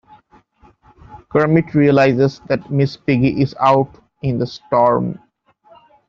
Kermit realizes that Miss Piggy is out in the storm.